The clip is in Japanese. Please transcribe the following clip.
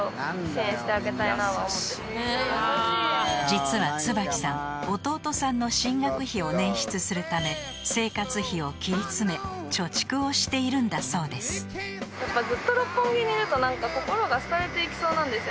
［実はつばきさん弟さんの進学費を捻出するため生活費を切り詰め貯蓄をしているんだそうです］だから。